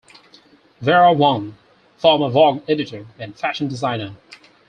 Vera Wang, former "Vogue" editor and fashion designer.